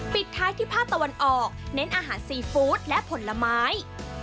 ปิดท้ายที่ภาคตะวันออกเน้นอาหารซีฟู้ดและผลไม้